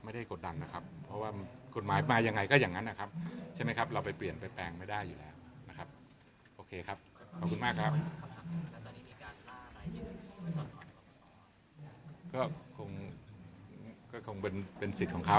อยากให้ทุกคนฝากทุกประชาชนนะว่าการทำงานของเราหลายคนอาจจะมองหลายประเด็นอาจจะมีการล่าลายชื่อมองว่าทำงานไม่โปร่งใสหรืออย่างเงี้ย